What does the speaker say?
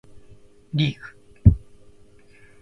リーグ